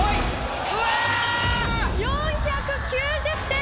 ４９０点。